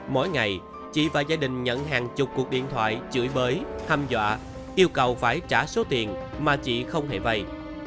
mỗi ngày chị và gia đình nhận hàng chục cuộc điện thoại chửi bới thăm dọa yêu cầu phải trả số tiền mà chị không hề vay